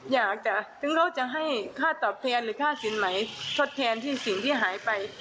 อยากจะถึงเขาจะให้ค่าตอบแทนหรือค่าสินใหม่ทดแทนที่สิ่งที่หายไป